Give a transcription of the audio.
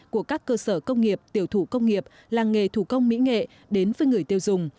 của các cơ sở công nghiệp tiểu thủ công nghiệp làng nghề thủ công mỹ nghệ đến với người tiêu dùng